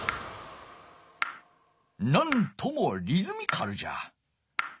なんともリズミカルじゃ。